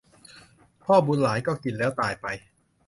พ่อบุญหลายก็กินแล้วตายไป